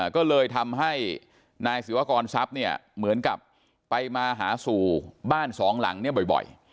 ก็เลยทำให้นายศิวากรทรัพย์เนี่ยเหมือนกับไปมาหาสู่บ้านสองหลังเนี่ยบ่อย